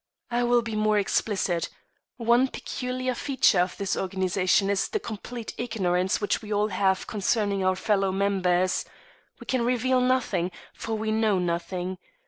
"I will be more explicit. One peculiar feature of this organization is the complete ignorance which we all have concerning our fellow members. We can reveal nothing, for we know nothing.